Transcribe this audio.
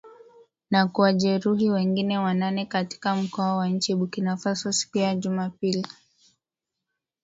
na kuwajeruhi wengine wanane katika mkoa wa nchini Burkina Faso siku ya Jumapili